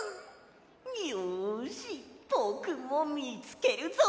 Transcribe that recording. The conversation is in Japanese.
よしぼくもみつけるぞ！